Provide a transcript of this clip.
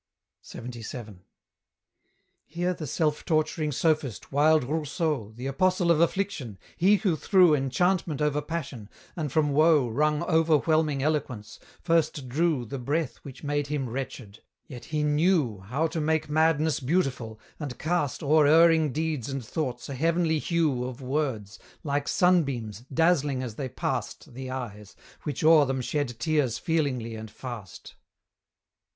LXXVII. Here the self torturing sophist, wild Rousseau, The apostle of affliction, he who threw Enchantment over passion, and from woe Wrung overwhelming eloquence, first drew The breath which made him wretched; yet he knew How to make madness beautiful, and cast O'er erring deeds and thoughts a heavenly hue Of words, like sunbeams, dazzling as they past The eyes, which o'er them shed tears feelingly and fast.